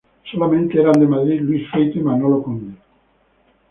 Solamente eran de Madrid Luis Feito y Manolo Conde.